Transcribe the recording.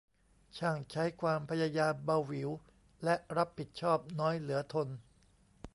ช่างใช้ความพยายามเบาหวิว และรับผิดชอบน้อยเหลือทน